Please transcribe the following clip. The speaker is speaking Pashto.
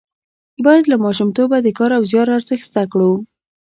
باید له ماشومتوبه د کار او زیار ارزښت زده کړو.